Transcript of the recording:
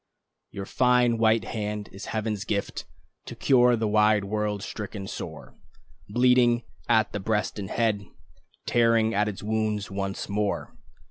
Your fine white hand is Heaven's gift To cure the wide world, stricken sore, Bleeding at the breast and head, Tearing at its wounds once more.